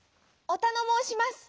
おたのもうします！」。